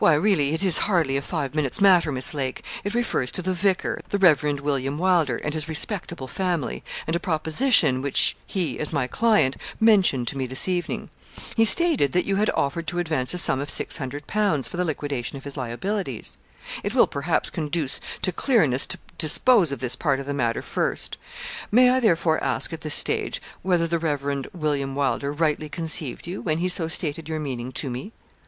'Why, really, it is hardly a five minutes' matter, Miss Lake. It refers to the vicar, the Rev. William Wylder, and his respectable family, and a proposition which he, as my client, mentioned to me this evening. He stated that you had offered to advance a sum of 600_l._ for the liquidation of his liabilities. It will, perhaps, conduce to clearness to dispose of this part of the matter first. May I therefore ask, at this stage, whether the Rev. William Wylder rightly conceived you, when he so stated your meaning to me?'